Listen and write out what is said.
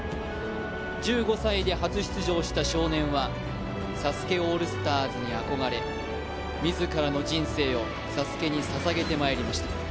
１５歳で初出場した少年は、ＳＡＳＵＫＥオールスターズに憧れ自らの人生をＳＡＳＵＫＥに捧げてまいりました。